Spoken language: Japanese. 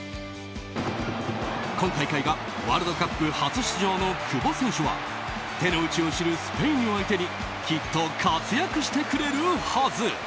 今大会がワールドカップ初出場の久保選手は手の内を知るスペインを相手にきっと活躍してくれるはず！